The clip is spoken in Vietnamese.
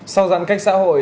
sau giãn cách xã hội